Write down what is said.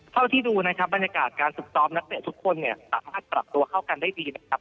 เท่าที่ดูนะครับบรรยากาศการฝึกซ้อมนักเตะทุกคนเนี่ยสามารถปรับตัวเข้ากันได้ดีนะครับ